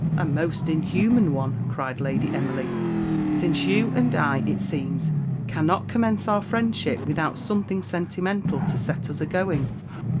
"A most inhuman one!" cried Lady Emily, "since you and I, it seems, cannot commence our friendship without something sentimental to set us agoing.